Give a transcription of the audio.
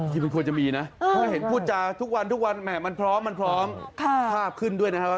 ที่มันควรจะมีนะเพราะเห็นพูดจาทุกวันทุกวันแหม่มันพร้อมมันพร้อมภาพขึ้นด้วยนะครับ